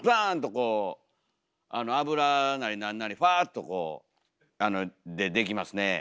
こうあの油なり何なりふわっとこうでできますねえ。